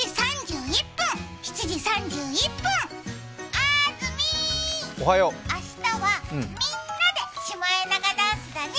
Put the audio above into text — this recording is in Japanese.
あーずみ、明日はみんなでシマエナガダンスだね。